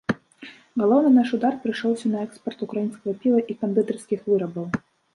Галоўны наш удар прыйшоўся на экспарт украінскага піва і кандытарскіх вырабаў.